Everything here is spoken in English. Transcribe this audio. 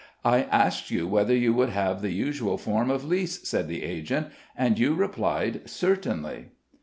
"I asked you whether you would have the usual form of lease," said the agent, "and you replied, 'Certainly.'"